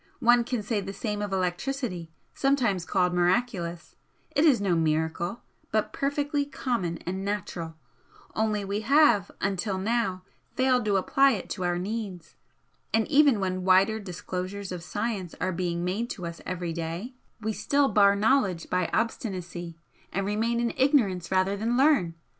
One can say the same of electricity, sometimes called 'miraculous' it is no miracle, but perfectly common and natural, only we have, until now, failed to apply it to our needs, and even when wider disclosures of science are being made to us every day, we still bar knowledge by obstinacy, and remain in ignorance rather than learn.